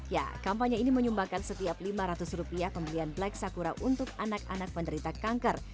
ya kampanye ini menyumbangkan setiap lima ratus rupiah pembelian black sakura untuk anak anak penderita kanker